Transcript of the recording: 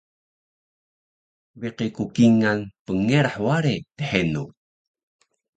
biqi ku kingal pngerah ware dhenu